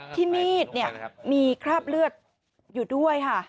มีดเนี่ยมีคราบเลือดอยู่ด้วยค่ะ